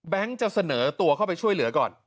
จะเสนอตัวเข้าไปช่วยเหลือก่อน